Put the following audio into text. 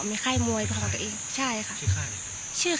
มีค่ายมวยกับของตัวเอง